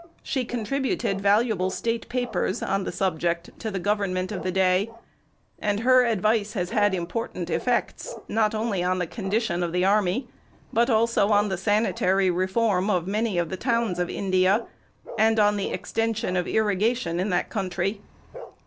She contributed valuable state papers on the subject to the Government of the day, and her advice has had important effects, not only on the condition of the army, but also on the sanitary reform of many of the towns of India, and on the extension of irrigation in that country.